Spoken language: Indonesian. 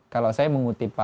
kalau saya mengutip pak